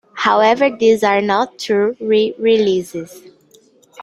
However these are not true re-releases.